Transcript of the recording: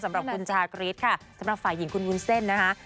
สำหรับคุณชากรี๊ดค่ะสำหรับฝ่ายหญิงคุณวุ้นเส้นนะคะ